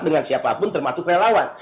dengan siapapun termasuk relawan